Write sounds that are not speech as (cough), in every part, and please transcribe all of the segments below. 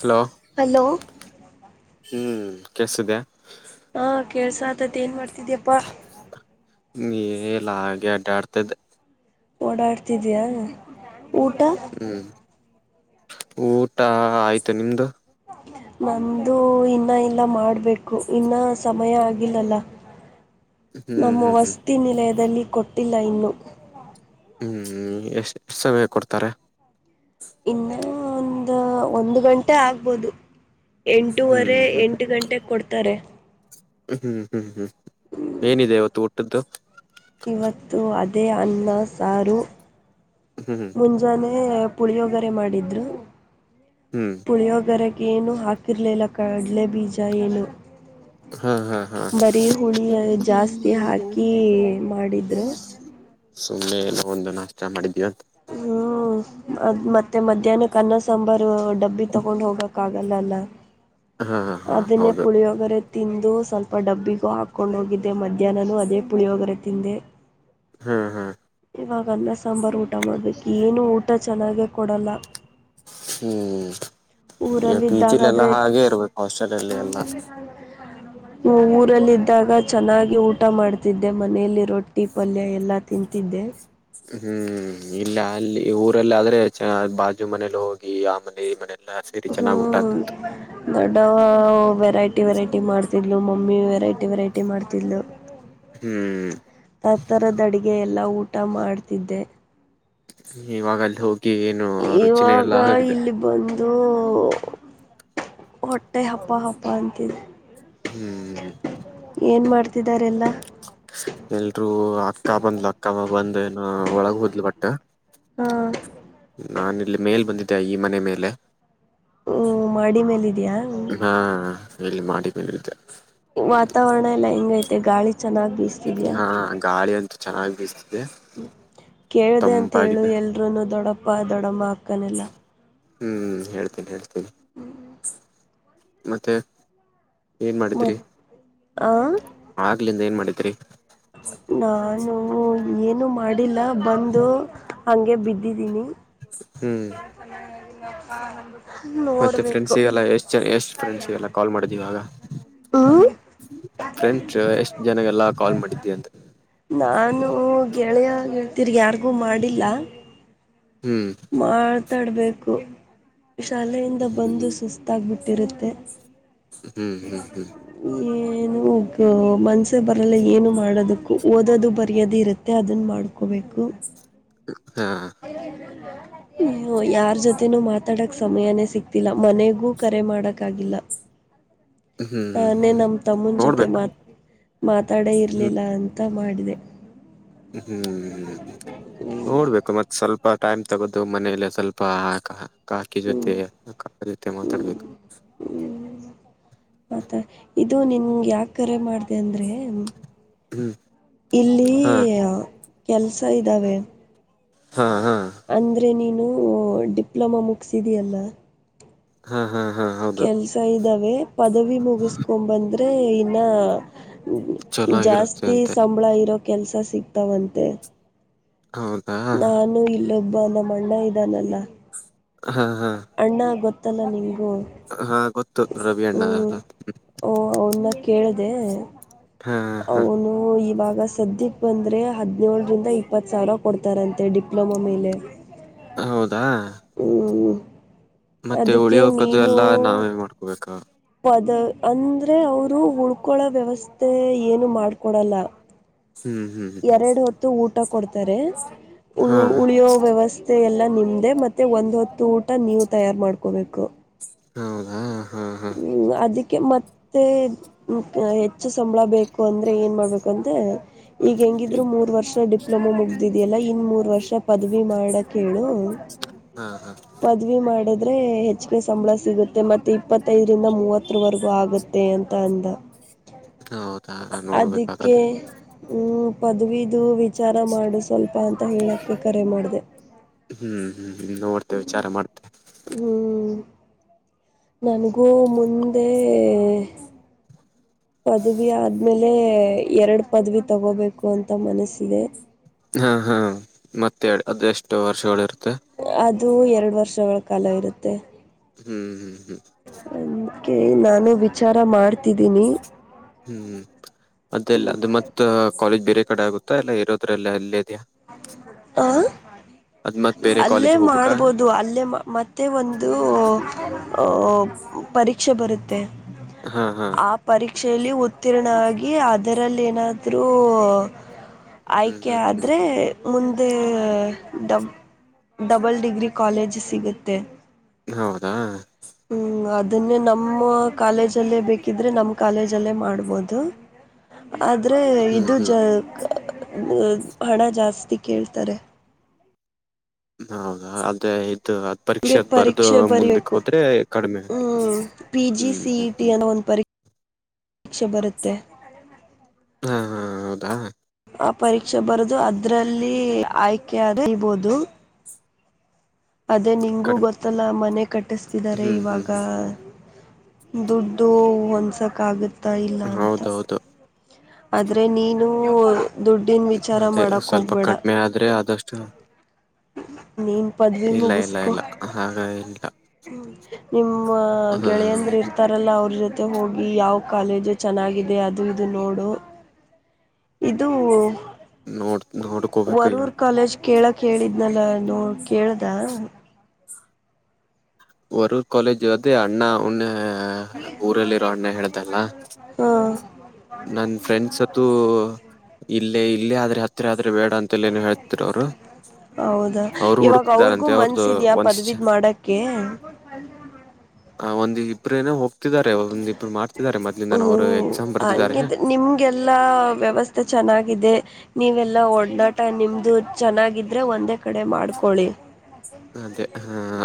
Hello hello ಹ್ಮ್ ಕೆಸತಿದ್ಯಾ ಹಾ ಕೇಳ್ಸತತಿ ಏನ್ ಮಾಡ್ತಿದ್ಯಪ್ಪ. ಹ್ ಇಲ್ಲಿ ಆಗೆ ಅಡ್ಡತ್ತಿದೆ. ಓಡಾಡ್ತಿದಿಯಾ ಊಟ. ಹ್ಮ್ ಊಟ ಆಯ್ತು ನಿಮ್ದು. ನಂದೂ ಇನ್ನ ಇಲ್ಲ ಮಾಡ್ಬೇಕು ಇನ್ನ ಸಮಯ ಆಗಿಲ್ಲ ಅಲ್ಲ ಹ್ಮ್ ನಮ್ಮ ಹ್ಮ್ ಹ್ಮ್ ವಸ್ತಿ ನಿಲಯದಲ್ಲಿ ಕೊಟ್ಟಿಲ್ಲ ಇನ್ನು. ಹ್ಮ್ ಎಷ್ಟು ಸವಯ ಕೊಡ್ತಾರೆ. ಇನ್ನೂ ಒಂದು ಒಂದು ಗಂಟೆ ಆಗ್ಬೋದು‌. ಹ್ಮ್ ಎಂಟೂವರೆ ಎಂಟು ಗಂಟೆಗೆ ಕೊಡ್ತಾರೆ. ಹ್ಮ್ ಹ್ಮ್ ಹ್ಮ್ ಹ್ಮ್ ಏನಿದೆ ಇವತ್ತು ಊಟ್ಟುದ್ದು. ಇವತ್ತು ಅದೇ ಅನ್ನ ಸಾರು. ಹ್ಮ್ ಹ್ಮ್ ಮುಂಜಾನೆ ಪುಳಿಯೋಗರೆ ಮಾಡಿದ್ರು ಹ್ಮ್ ಪುಳಿಯೋಗರೆಗೆ ಏನು ಹಾಕಿರಲಿಲ್ಲ ಕಡಲೆ ಬೀಜ ಏನು ಹಾ ಹಾ ಹಾ ಬರೀ ಹುಳಿ ಜಾಸ್ತಿ ಹಾಕಿ ಮಾಡಿದ್ರು. ಸುಮ್ಮನೆ ಎಲ್ಲ ಒಂದು ನಾಷ್ಟ ಮಾಡಿದೀಯಾ ಹ್ಮ್ ಅದ್ ಮತ್ತೆ ಮಧ್ಯಾಹ್ನಕ ಅನ್ನ ಸಾಂಬಾರು ಡಬ್ಬಿ ತಗೊಂಡ್ ಹೋಗಕ್. ಕ್ಕಾಗಲ್ಲಲ್ಲ ಹಾ ಹಾ ಅದನ್ನೇ ಹೌದು ಪುಳಿಯೋಗರೆ. ತಿಂದು ಸ್ವಲ್ಪ ಡಬ್ಬಿಗೂ ಹಾಕೊಂಡು ಹೋಗಿದ್ದೆ ಮಧ್ಯಾಹ್ನೂ ಅದೇ ಪುಳಿಯೋಗರೆ ತಿಂದೆ. ಹಾ ಹಾ ಇವಾಗ ಅನ್ನ ಸಾಂಬಾರು ಊಟ ಮಾಡ್ಬೇಕು ಏನು ಊಟ ಚೆನ್ನಾಗೆ ಕೊಡಲ್ಲ. ಹ್ಮ್ ಯೊ ಪಿಜಿಲೀ ಎಲ್ಲಾ ಊರಲ್ಲಿದ್ದಾಗಾದರೆ ಹಾಗೆ ಇರ್ಬೇಕು. ಹಾಸ್ಟೆಲ್ ಅಲ್ಲಿ ಎಲ್ಲಾ (unintelligible) ಊರಲ್ಲ ಇದದ್ದಾಗ ಚೆನ್ನಾಗಿ ಊಟ ಮಾಡ್ತಿದ್ದೆ ಮನೇೆಯಲ್ಲಿ. ರೊಟ್ಟಿ ಪಲ್ಯ ಎಲ್ಲಾ ತಿಂತಿದ್ದೆ. ಹ್ಮ್ ಇಲ್ಲ ಅಲ್ಲಿ ಊರಲ್ಲಿ ಆದ್ರೆ ಬಾಜು ಮನೇಲಿ ಹೋಗಿ ಆ ಮನೆ ಈ ಮನೆ. ಹ್ಮ್ ದೊಡ್ಡವಾ ವೆರೈಟಿ ವೆರೈಟಿ ಮಾಡ ಡ್ತಿದ್ಲು ಮಮ್ಮಿ ವೆರೈಟಿ ವೆರೈಟಿ ಮಾಡ್ತಿದ್ಲು. ಹ್ಮ್ ಆ ತರದ ಅಡಗೆ ಎಲ್ಲಾ ಊಟ ಮಾಡ್ತಿದ್ದೆ. ಇವಾಗ ಅಲ್ಲಿ ಹೋಗಿ ಏನು ರುಚಿನೇ ಇವಾಗ ಎಲ್ಲಾ ಆಗಿದೆ. ಇಲ್ಲಿ ಬಂದು ಹೊಟ್ಟೆ ಹಪ್ಪ ಹಬ್ಬ ಅಂತಿದೆ. ಹ್ಮ್ ಏನ್ ಮಾಡ್ತಿದಿದ್ದಾರೆಲ್ಲ. ಎಲ್ರುೂ ಅಕ್ಕ ಬಂದ್ಲು ಅಕ್ಕ ಬಾವ ಬಂದ ಏನ ಒಳಗ ಹೋದ್ಲು ಬಟ್ ಹಾ ನಾನ ಇಲ್ಲಿ ಮೇಲ್ ಬಂದಿದ್ದೆ ಈ ಮನೆ ಮೇಲೆ. ಮಾಡಿ ಮೇಲ ಇದೀಯಾ? ಹಾ ಇಲ್ಲಿ ಮಾಡಿ ಮೇಲೆ ಇದೆ. ವಾತಾವನಲ್ಲ ಹೆಂಗೈತೆ ಗಾಳಿ ಚೆನ್ನಾಗಿ ಬೀಸ್ತಿದಿಯಾ ಹಾ ಗಾಳಿ ಅಂತೂ ಚೆನ್ನಾಗಿ ಬೀಸ್ತಿದೆ ಹೇಳ್ದೆ ಅಂತ ಹೇಳು, ತಂಪಾಗಿದೆ ಎಲ್ರೂನು ದೊಡ್ಡಪ್ಪ ದೊಡ್ಡಮ್ಮನ ಅಕ್ಕನ್ನೆಲ್ಲಾ ಹ್ಮ್ ಹೇಳ್ತೇನಿ ಹೇಳ್ತೇನಿ ಮತ್ತೆ ಮತ್ತೆ ಹಾ ಆಗಾಗಿಂದ ಏನ್ ಮಾಡಿದ್ರಿ ಹೌ ನಾನು ಏನು ಮಾಡಿಲ್ಲ ಬಂದು ಹಾಗೆ ಬಿದ್ದಿದೀನಿ ಹ್ಮ್ (unintelligible) ಮತ್ತೆ ಟಿಫಿನ್ ನೋಡಬೇಕು ಸಿಗಲ್ಲ ಎಷ್ಟು ಫ್ರೆಂಡ್ಸಿಗೆ ಕಾಲ್ ಮಾಡಿದ್ದೀವಾಗ ಫ್ರೆಂಡ್ಸ್ಎಷ್ಟು ಜನಕ್ಕೆಲ್ಲ ಕಾಲ್ ಮಾಡಿದ್ದೀವಿ ಅಂತ ನಾನು ಗೆಳೆಯ ಗೆಳತಿ ರಿಗೆ ಏನು ಮಾಡಿಲ್ಲ ಹ್ಮ್ ಮಾತಾಡಬೇಕು ಶಾಲೆಯಿಂದ ಹ್ಮ್ ಬಂದು ಸುಸ್ತು ಗೊತ್ತಾಗಿ ಬಿಟ್ಟಿರುತ್ತೆ ಹ್ಮ್ ಹ್ಮ್ ಹ್ಮ್ ಏನೋ ನು ಮನಸೆಬರಲ್ಲ ಏನು ಮಾಡೋದುಕ್ಕು ಓದೋದು ಬರೆದಿರುತ್ತೆ ನನ್ನ ಮಾಡ್ಕೋಬೇಕು ಹಾ ಹ ಅಯ್ಯೋ ಯಾರ್ ಜೊತೆನೂ ಮಾತಾಡಕ್ ಸಮಯಾನೇ ಸಿಕ್ತಿಲ್ಲ ಮನೆಗೂ ಕರೆ ಮಾಡಕ ಆಗಿಲ್ಲ. ಹ್ಮ್ ನಾನೇ ಹ್ಮ್ ನಮ್ಮ ತಮ್ಮನ ಜೊತೆ ನೋಡ್ಬೇಕು ಮಾತ್ ಮಾತಾಡೆ ಹ್ಮ್ ಇರ್ಲಿಲ್ಲ ಅಂತ ಮಾಡಿದೆ. ಹ್ಮ್ ಹ್ಮ್್ಮ ನೋಡ್ಬೇಕು ಮತ್ತ್ ಸ್ವಲ್ಪ ಟೈಮ್ ತಗೋದು ಮನೇಲ್ಲ ಸ್ವಲ್ಪ ಕಾಕಿ ಹ್ಞೂ ಜೊತೆ (unintelligible) ಜತೆ ಹ್ಞೂ ಮಾತಾಡ್ಬೇಕು. ಮತಾ ಇದು ನಿನ್ ಯಾಕ ಕರೆ ಮಾಡ್ದ ಅಂದ್ರೆ ಹ್ಮ್ ಇಲ್ಲಿ ಹಾ ಕೆಲ್ಸ ಇದ್ದಾವೆ. ಹಾ ಹಾ ಅಂದರೆ ನೀನು ಡಿಪ್ಲೊಮಾ ಮುಗಿಸಿದಿಯಲ್ಲ. ಹಾ ಹಾ ಹಾ ಹೌ ಕೆಲ್ಸ ಇದಾವೆ ಪದವಿ ಮುಗಿಸಕೊ ಬಂದ್ರೆ ಇನ್ನ. ಚಲೋಗಿರುತ್ತೆ ಜಾಸ್ತಿ ಅಂತೆ ಸಂಬಳ ಇರೋ ಕೆಲ್ಸ ಸಿಗ್ತಾವಂತೆ. ಹೌದು. ನಾನು ಇಲ್ಲೊಬ್ಬ ನಮ್ಮ ಅಣ್ಣ ಇದ್ದಾನಲ್ಲ. ಹಾ ಹಾ ಅಣ್ಣ ಗೊತ್ತಲ್ಲ ನಿಮಗೂ. ಹಾ ಗೊತ್ತು ರವಿ ಅಣ್ಣ. ಅವನ್ನ ಕೇಳದೆ ಹಾ ಹಾ ಅವನು ಇವಾಗ ಸದ್ಯಕ್ಕೆ ಬಂದ್ರೆ ಹದಿನೇಳರಿಂದ ಇಪ್ಪತ್ತು ಸಾವಿರ ಕೊಡ್ತಾರಂತೆ ಡಿಪ್ಲೊಮಾ ಮೇಲೆ. ಹೌದಾ ಹ್ಮ ಮತ್ತೆ ಉಳಿ ಹಕದು ಎಲ್ಲಾ ನಾವೇ ಮಾಡ್ಕೋಬೇಕ ಪದ ಅಂದ್ರೆ ಅವರು ಉಳ್ಕೊಳ ವ್ಯವಸ್ಥೆ ಏನು ಮಾಡ್ಕೊಡಲ್ಲ ಹ್ಮ್ ಹ್ಮ್ ಎರಡು ಹೊತ್ತು ಊಟ ಕೊಡ್ತಾರೆ ಹಾ ಉಳು ಉಳಿಯೋ ವ್ಯವಸ್ಥ ಮ ಎಲ್ಲ ನಿಮ್ದೇ ಮತ್ತೆ ಒಂದ್ ಹೊತ್ತು ಊಟ ನೀವು ತಯಾರ್ು ಮಾಡ್ಕೋಬೇಕು ಹೌದಾ ಹಾ ಹಾ ಅದಕ್ಕೆ ಮತ್ತೆ ಹ್ಮ ಹೆಚ್ಚು ಸಂಬಳ ಬೇಕು ಅಂದ್ರೆ ಏನ್ ಮಾಡ್ಬೇಕು ಅಂತ ಈಗ ಹೆಂಗಿದ್ರು ಮೂರ್ ವರ್ಷ ಡಿಪ್ಲೊಮಾ ಮುಗ್ದಿದ್ಯಲ್ಲ ಇನ್ ಮೂರ್ ವರ್ಷ ಪದವಿ ಮಾಡಕ ಹೇಳು ಹಾ ಹಾ ಪದವಿ ಮಾಡಿದ್ರೆ ಹೆಚ್ಚಗೆ ಸಂಬಳ ಸಿಗುತ್ತೆ ಮತ್ತೆ ಇಪ್ಪತ್ತೈದರಿಂದ ಮೂವತ್ತವರೆಗೂ ಆಗತ್ತೆ ಅಂತ ಅಂದ ಹೌದಾ ಅದಕ್ಕೆ ನೋಡ್ಬೇಕಾಗಾದ್ರೆ ಹ್ಮ ಪದವಿದು ವಿಚಾರ ಮಾಡು ಸ್ವಲ್ಪ ಅಂತ ಹೇಳಕ್ಕೆ ಕರೆ ಮಾಡಿದೆ ಹ್ಮ್ ಹ್ಮ್ ನೋಡ್ತೆವೆ ವಿಚಾರ ಮಾಡ್ ್ ನನಗೂ ಮುಂದೆ ಪದವಿ ಆದ್ಮೇಲೆ ಎರಡ್ ಪದವಿ ತಗೋಬೇಕು ಅಂತ ಮನಸಿದೆ ಹಾ ಹಾ ಮತ್ತೆ ಅದು ಎಷ್ಟು ವರ್ಷಗಳು ಇರುತ್ತೆ ಅದು ಎರಡು ವರ್ಷಗಳ ಕಾಲ ಇರುತ್ತೆ ಹ್ಮ್ ಹ್ಮ್ ಹ್ಮ್ ಅಂಕ ನಾನು ವಿಚಾರ ಮಾಡ್ತಿದ್ದೀನಿ ಹ್ಮ್ ಅದೆಲ್ಲ ಅದು ಮತ್ತ ಕಾಲೇಜ್ ಬೇರೆ ಕಡೆ ಆಗುತ್ತಾ ಇಲ್ಲ ಇರೋದ್ರಲ್ಲ ಅಲ್ಲೇ ಅ ಇದೆಯಾ ಹ ಅದ್ ಮತ್ ಬೇರೆ ಅಲ್ಲೇ ಕಾಲೇಜ್ ಹೋಗ್ಬೇಕಾ ಮಾಡ್ಬೋದು ಅಲ್ಲೇ ಮತ್ತೆ ಒಂದು ಪರೀಕ್ಷೆ ಬರುತ್ತೆ ಹಾ ಹಾ ಆಪ್ ಪರೀಕ್ಷೆಯಲ್ಲಿ ಉತ್ತೀರ್ಣ ಆಗ ಅದರಲ್ಲಿ ಏನಾದರೂ ಹ್ಮ್ ಆಯ್ಕೆಯ ಹ್ಮ್ ಮುಂದೆಡ ಡಬಲ್ ಡಿಗ್ರಿ ಕಾಲೇಜ್ ಸಿಗುತ್ತೆ ಹೌದಾ ಹ್ಮ್ ಅದನ್ನೇ ನಮ್ಮ ಕಾಲೇಜಲ್ಲೇ ಬೇಕಿದ್ರೆ ನಮ್ ಕಾಲೇಜಲ್ಲೇ ಮಾಡ್ಬೋದು ನಿ ಆದ್ರೆ ಹ್ಮ್ ಇದು ಹ್ಮ್ ಜ ಹಣ ಜಾಸ್ತಿ ಕೇಳ್ತಾರೆ ಹೌದಾ ಅದೇ ಇದು ಪರೀಕ್ಷೆ ಗೆ ಅದ್ ಬರ್ದು ಪರೀಕ್ಷೆ ಮುಂದಕ್ಕೆ ಬರಬೇಕು ಹೋದ್ರೆ ಕಡಿಮೆ ಆಗುತ್ತೆ ಹ್ಮ ಪಿ ಜಿ ಹ್ಮ್ ಹ್ಮ್ ಸಿಇಟಿ ಹ್ಮ್ ಅನ್ನೋ ಒಂದ್ ಪರೀೆ ಪರೀಕ್ಷೆ ಬರುತ್ತೆ ಹಾ ಹಾ ಹೌದಾ ಆ ಪರೀಕ್ಷೆ ಬರುದು ಅದ್ರಲ್ಲಿ ಆಯ್ಕೆಬಹದು ಅದೇ ನಿಂಗಗೂ ಕಡಿಮೆ ಗೊತ್ತಲ್ಲ ಮನೆ ಕಟ್ಟಿಸ್ತಿದ್ದಾರೆ ಹ್ಮ್ ಹ್ಮ್ ಇವಾಗ ಹ್ಮ್ ದುಡ್ಡು ಒಂದಸಕ ಆಗುತ್ತಾ ಇಲ್ಲ ಅಂತ ಹೌದೌದು ಆದ್ರೆ ನೀನು ದುಡ್ ಅದೇ ಸ್ವಲ್ಪ ಕಡಿಮೆ ಆದ್ರೆ ಆದಷ್ಟು ನೀನ್ ಪದವಿ ಇಲ್ಲ ಇಲ್ಲ ಮುಗಸ್ಕು ಇಲ್ಲ ಹಾಗ ಇಲ್ಲ ನಿಮ್ಮ ಹಾ ಗೆಳೆಯಂದ್ರ ಇರ್ತಾರ ಅ್ರಲ್ಲ ಅವ್ರ ಜೊತೆ ಹೋಗಿ ಯಾವ ಕಾಲೇಜು ಚೆನ್ನಾಗಿದೆ ಅದು ಇದು ನೋಡು ಇದು ನೋಡ್ ನೋಡ್ಕೋಬೇಕು ಇವಾಗ ವರೂರ್ ಕಾಲೇಜ್ ಕೇಳ ಕೇಳಿದ್ನಲ್ಲ ನೋ ಕೇಳ್ದ ವರೂರ್ ಕಾಲೇಜು ಅದೇ ಅಣ್ಣ ಅವ್ಣ ಊರಲ್ಲಿರೋ ಅಣ್ಣ ಹೇಳ್ದಲ್ಲ. ಹಾ ನನ್ ಫ್ರೆಂಡ್ಸ್ ಹತ್ತು ಇಲ್ಲೇ ಇಲ್ಲೇ ಆದ್ರೆ ಹತ್ತು ಇಲ್ಲೇ ಆದ್ರೆ ಬೇಡ ಅಂತ ಏನು ಹೇಳ್ತಿರ ಅವರು ಹೌದಾ ಅವರು ಇವಾಗ ಅವ್ರಿಗೂ ಹುಡುಕ್ತಿದಾರಂತೆ ಅವ್ರದ್ದು ಮನ್ಸ ಇದ್ಯಾ ಒಂದ್ ಶ- ಪದವೀದ್ ಮಾಡಕ್ಕೆ. (unintelligible) ಆ ಒಂದ್ ಇಬ್ರು ಏನೋ ಹೋಗ್ತಿದ್ದಾರೆ ಒಂದ ಇಬ್ರು ಮಾಡ್ತಿದಿದ್ದಾರೆ ಮೊದಲಿಂದನು ಹ್ಞೂ ಅವರು ಎಕ್ಸಾಮ್ ಬರ್ ಹಂಗಿದ್ರೆ ನಿಮಗೆಲ್ಲ ವ್ಯವಸ್ಥೆ ಚೆನ್ನಾಗಿದೆ ನೀವೆಲ್ಲ ಒಡನಾಟ ನಿಮ್ಮದು ಚೆನ್ನಾಗಿದ್ದರೆ ಒಂದೇ ಕಡೆ ಮಾಡ್ಕೊಳ್ಳಿ. ಹಾ ಅದೇ ಆ,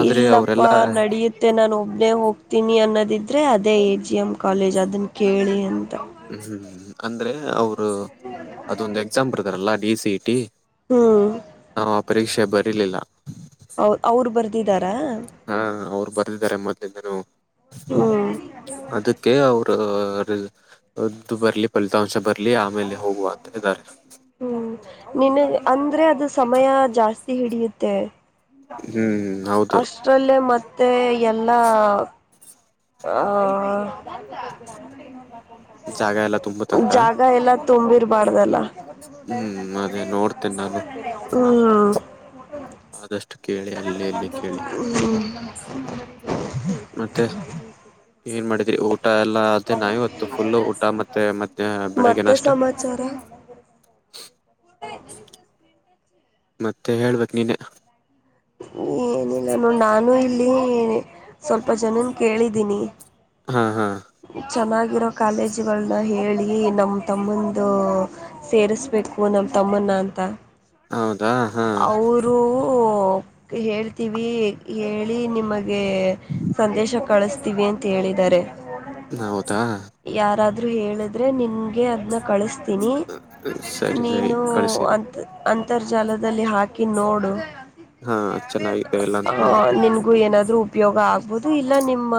ಆದ್ರೆ ಅವರೆಲ್ಲ ಇಲ್ಲಪ್ಪಾ ನಡಿ ಮತ್ತೆ ನಾನು ಒಬ್ಬನೇ ಹೋಗ್ತೀನಿ ಅನ್ನೋದಿದ್ರೆ ಅದೇ ಎ ಜಿ ಎಮ್ ಕಾಲೇಜ್ ಅದನ್ನ ಕೇಳಿ ಅಂತ ಹ್ಮ್ ಹ್ಮ್ ಅಂದ್ರೆ ಅವರು (inaudible) ಅದೊಂದು ಎಕ್ಸಾಮ್ ಬರ್ದಾರಲ್ಲ ಡಿ ಸಿ ಇ ಟಿ ಹ್ಮ ಅವ ಪರೀಕ್ಷೆ ಬರಲಿಲ್ಲ ಅವ ಅವ್ರು ಬರ್ದಿದ್ದಾರಾ ಹಾ ಅವ್ರು ಬರ್ದಿದ್ದಾರೆ ಮೊದಲಿಂದಾನು ಹ್ಮ್ ಅದಕ್ಕೆ ಅವರು. (unintelligible) ಅದು ರದ್ದು ಬರ್ಲಿ ಫಲಿತಾಂಶ ಬರ್ಲಿ ಆಮೇಲೆ ಹೋಗುವ ಅಂತ ಇದ್ದಾರೆ ಹ್ಮ್ ನಿನಗೆ ಅಂದ್ರೆ ಅದು ಸಮಯ ಜಾಸ್ತಿ ಹಿಡಿಯುತ್ತೆ. ಹ್ಮ್ (unintelligible) ಹೌದು ಅಷ್ಟ್ರಲ್ಲೇ ಮತ್ತೆ ಎಲ್ಲಾ ಹ ಜಾಗ ಎಲ್ಲ (unintelligible) ತುಂಬುತ್ತಂತ ಜಾಗ ಎಲ್ಲ ತುಂಬಿರ್ಬಾಾರ್ದಲ್ಲ (unintelligible) ಹ್ಮ್ ಅದೇ ನೋಡ್ತೇನೆ ನಾನು ಹ್ಮ್ ಆದಷ್ಟ ಕೇಳಿ ಅಲ್ಲೇ ಅಲ್ಲೇ ಕೇಳಿ. ಹ್ಮ್ ಮತ್ತೆ (inaudible) ಏನ್ ಮಾಡಿದ್ರಿ ಊಟ ಎಲ್ಲಾ ಮತ್ತೆ ನಾ ಇವತ್ತ ಫುಲ್ಲ ಊಟ ಮತ್ತೆ ಮದ್ಯಾನ ಬೆಳಗ್ಗೆ ಮತ್ತೆ ನಾಷ್ಟಾ ಸಮಾಚಾರ (unintelligible) ಮತ್ತೆ ಹೇಳ್ಬೇಕ ನೀನೇ. ಏನಿಲ್ಲ ನೋಡ ನಾನು ಇಲ್ಲಿ ಸ್ವಲ್ಪ ಜನನ್ ಕೇಳಿದೀನಿ. ಹಾ ಹಾ ಚೆನ್ನಾಗಿರೋ ಕಾಲೇಜುಗಳನ್ನ ಹೇಳಿ ನಮ್ ತಮ್ಮಂದು ಸೇರಿಸ್ಬೇಕು ನಮ್ಮ ತಮ್ಮಣ ಅಂತ ಹೌದಾ ಹಾ ಒಹ್ ಓಹ ಹೇಳ್ತೀವಿ ಹೇಳಿ ನಿಮಗೆ ಗೆ ಸಂದೇಶ ಕಳಿಸ್ತೀವಿ ಅಂತ ಹೇಳಿದ್ದಾರೆ ಹೌದಾ ಯಾರಾದ್ರೂ ಹೇಳಿದ್ರೆ ನಿನ್ಗೆ ಅದನ್ನ ಕಳಿಸತ ಕಳಸತಿನಿ ಸರಿ ಸರಿ ನೀನು ಕಳ್ಸಿರಿ ಅಂತ ಅಂತರ್ಜಾಲದಲ್ಲಿ ಹಾಕಿ ನೋಡು. ಹಾ ಚೆನ್ನಾಗಿದೆ ಎಲ್ಲ ಅಂತ ಹ ನೋಡ್ತೇನೆ ನಿನ್ಗೂ ಏನಾದ್ರರು ಉಪಯೋಗ ಆಗ್ಬೋದು ಇಲ್ಲ ನಿಮ್ಮ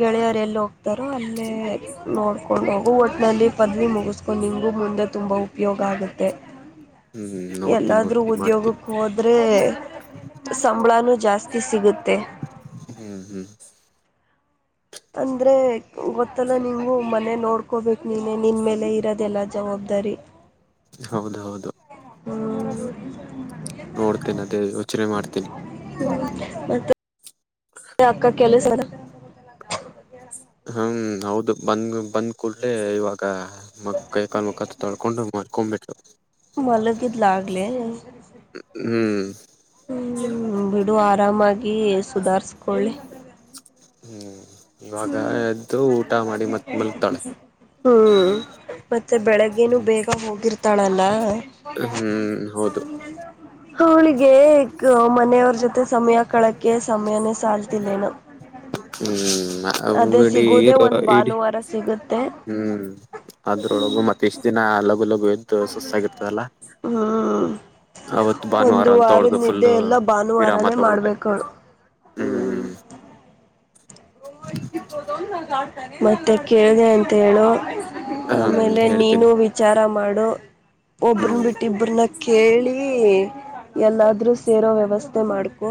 ಗೆಳೆಯರು ಎಲ್ಲಿ ಹೋಗ್ತಾರೋ ಅಲ್ಲೇ ನೋಡ್ಕೊಂಡು ಹೋಗು ಒಟ್ಟಿನಲ್ಲಿ ಪದವಿ ಮುಗಿಸ್ಕೊ ನಿಂಗು ಮುಂದೆ ತುಂಬ ಉಪಯೋಗ ಆಗುತ್ತೆ. ಹ್ಮ್ (unintelligible) ನೋಡ್ತೀನಿ ಎಲ್ಲಾದ್ರೂ ನೋಡ್ತೀನಿ ಮಾಡ್ತೀನಿ ಉದ್ಯೋಗಕ್ಕ ಹೋದರೆ ಸಂಬಳಾನು ಜಾಸ್ತಿ ಸಿಗುತ್ತೆ. ಹ್ಮ್ ಹ್ಮ್ ಅಂದ್ರೆ ಗೊತ್ತಲ್ಲ ನೀವು ಮನೆ ನೋಡ್ಕೋಬೇಕು ನೀನೆೇ ನಿನ್ ಮೇಲೆ ಇರೋದೆಲ್ಲ ಜವಾಬ್ದಾರಿ. ಹೌದ ಹೌದು ಹ್ಞೂ ನೋಡ್ತೇನೆ ಅದೇ ಯೋಚನೆ ಮಾಡ್ತೀನಿ. ಮತ್ತೆ ಅಕ್ಕ ಕೆಲಸ ಅದ ಹ್ಮ ಹೌದು ಬಂದ್ ಬಂದ್ ಕೂಡ್ಲೆೇ ಇವಾಗ ಮ ಕೈ ಕಾಲು ಮುಖ ತೊಳಕೊಂಡು ಮಕ್ಕೊ ಬಿಟ್ಟಲು ಮಲಗಿದ್ಲಾಗ್ಲೇ ಹ್ಮ್ ಬಿಡು ಆರಾಮಾಗಿ ಸುಧಾರಿಸ್ಕೊಳ್ಳಿ ಹ್ಮ್ ಇವಾಗ ಎದ್ದು ಊಟ ಮಾಡಿ ಮತ್ತೆ ಮಲ್ಗ್ತಾಳೆ. ಹ್ಮ್ ಮತ್ತೆ ಬೆಳಗ್ಗೆನು ಬೇಗ ಹೋಗಿರ್ತಾಳಲ್ಲ. ಹ್ಮ್ ಹೌದು ಅವಳಿಗೆ ಮನೆಯವ್ರ ಜೊತೆ ಸಮಯ ಕಳಕೆ ಸಮಯಾನೇ ಸಾಲ್ತಿಲ್ಲೇನ ಹ್ಮ್ ಅವಬಡಿ ಸಿಗುದೇ ಈರ ಒಂದ್ ಈಡಿ ಭಾನುವಾರ ಸಿಗುತ್ತೆ ಹ್ಮ್ ಅದ್ರೊಳಗು ಮತ್ತ ಇಷ್ಟ್ ದಿನ ಲಗು ಲಗು ಸುಸ್ತಾಗಿರ್ತದಲ್ಲಾ. ಹ್ಮ್ ಅವತ್ ಭಾನುವಾರ ಒಂದು ಅಂತೂ ವಾರದ ಅವ್ಳದ ಫುಲ್ ನಿದ್ದೆ ಎಲ್ಲ ವಿರಾಮ ಭಾನುವಾರನೇ ತಗೊಳ್ದೆ ಮಾಡ್ಬೇಕಳು ಹ್ಮ್ ಹ್ಮ್್ಮ ಮತ್ತೆ ಕೇಳಿದೆ ಅಂತ ಹೇಳು ಹ್ಮ್ ಆಮೇಲೆ ನೀನು ಹೇಳ್ತೀನಿ ವಿಚಾರ ಮಾಡು ಹ್ಮ್ ಒಬ್ರನ್ ಬಿಟ್ಟ ಇಬರನ್ ಕೇಳಿ ಎಲ್ಲಾದರೂ ಸೇರೋ ವ್ಯವಸ್ಥೆ ಮಾಡ್ಕೊ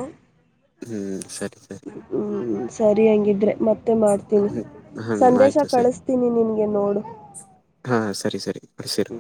ಹ್ಮ್ ಸರಿ ಸರಿ ಹ್ಮ್ ಸರಿ ಹಂಗಿದ್ರೆ ಮತ್ತೆ ಮತ್ತೆ ಮಾಡ್ತೀನಿ ಹ್ಮ್ ಹ್ಮ್ ಆಯ್ತು ಸಂದೇಶ ಸರಿ ಕಳಿಸತೀನಿ ನಿನ್ಗೆ ನೋಡು ಹಾ ಸರಿ ಸರಿ (unintelligible)